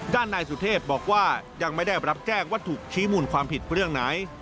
ด้านนายสุทธิพย์บอกว่ายังไม่ได้รับแจ้งว่าถูกชี้หมุนความผิดเพื่อเรื่องไหน